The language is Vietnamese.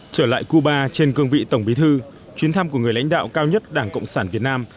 trở lại cuba trên cương vị tổng bí thư chuyến thăm của người lãnh đạo cao nhất đảng cộng sản việt nam